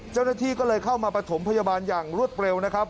เจ้าหน้าที่ก็เลยเข้ามาประถมพยาบาลอย่างรวดเร็วนะครับ